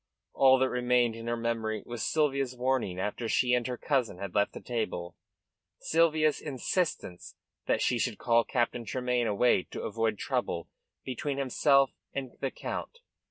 All that remained in her memory was Sylvia's warning after she and her cousin had left the table, Sylvia's insistence that she should call Captain Tremayne away to avoid trouble between himself and the Count.